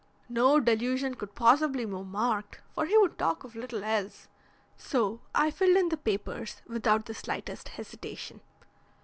No delusion could possibly be more marked, for he would talk of little else, so I filled in the papers without the slightest hesitation.